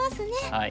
はい。